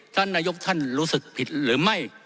ท่านนายกท่านรู้สึกผิดหรือไม่